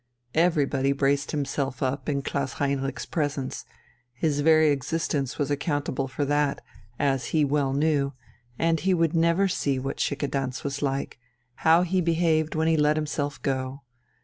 Everybody braced himself up in Klaus Heinrich's presence, his very existence was accountable for that, as he well knew, and he would never see what Schickedanz was like, how he behaved when he let himself go.